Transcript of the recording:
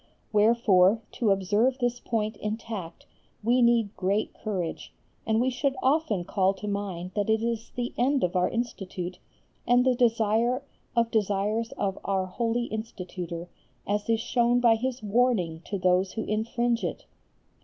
Wherefore, to observe this point intact we need great courage, and we should often call to mind that it is the end of our Institute, and the desire of desires of our holy Institutor, as is shown by his warning to those who infringe it.